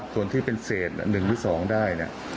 ส่วนที่เป็นเศษ๑๒ได้